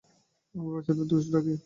আমার বাচ্চাদের দোষ ঢাকি।